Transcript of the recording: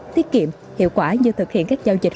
tiết kiệm hiệu quả như thực hiện các giao dịch